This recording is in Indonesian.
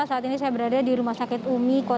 saat ini saya berada di rumah sakit umi